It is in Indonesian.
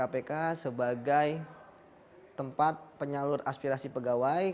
wadah pegawai kpk sebagai tempat penyalur aspirasi pegawai